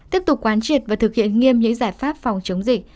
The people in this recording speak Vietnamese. tiếp tục quán triệt và thực hiện nghiêm những giải pháp phòng chống dịch